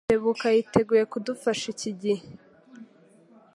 Rutebuka yiteguye kudufasha iki gihe.